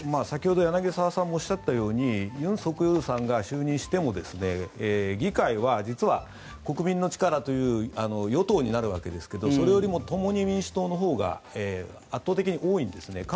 先ほど柳澤さんがおっしゃったように尹錫悦さんが就任しても議会は実は国民の力という与党になるわけですけどそれよりも共に民主党のほうが圧倒的に多いんですね。